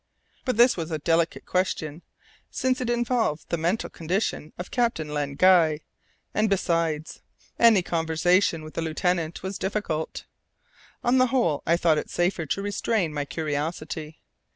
But this was a delicate question, since it involved the mental condition of Captain Len Guy; and besides, any kind of conversation with the lieutenant was difficult. On the whole I thought it safer to restrain my curiosity.